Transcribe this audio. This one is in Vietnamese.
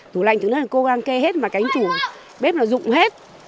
tủ lạnh chúng nó cố gắng kê hết mà cánh chủ bếp nó dụng hết